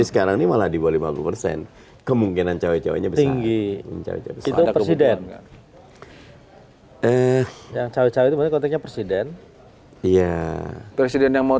sekarang ini malah di bawah lima puluh kemungkinan cowok cowoknya tinggi itu presiden yang mau